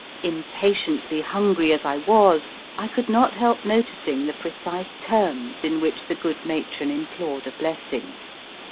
Impatiently hungry as I was, I could not help noticing the precise terms in which the good matron implored a blessing.